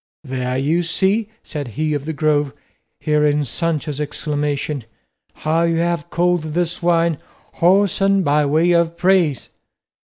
"There, you see," said he of the Grove, hearing Sancho's exclamation, "how you have called this wine whoreson by way of praise."